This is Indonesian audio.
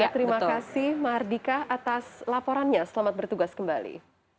terima kasih mardika atas laporannya selamat bertugas kembali